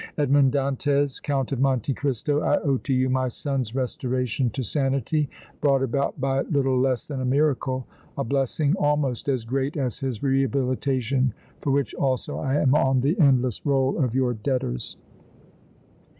Edmond Dantès, Count of Monte Cristo, I owe to you my son's restoration to sanity brought about by little less than a miracle, a blessing almost as great as his rehabilitation, for which also I am on the endless roll of your debtors."